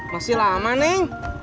masih lama neng